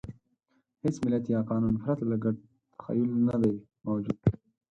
هېڅ ملت یا قانون پرته له ګډ تخیل نهدی موجود.